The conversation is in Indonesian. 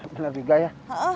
bener juga ya